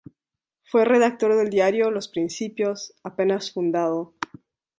Fue redactor del diario "Los Principios", apenas fundado.